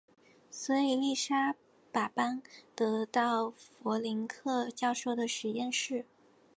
所以丽莎把班德到弗林克教授的实验室。